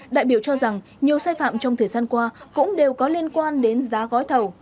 đại biểu cho rằng nhiều sai phạm trong thời gian qua cũng đều có liên quan đến giá gói thầu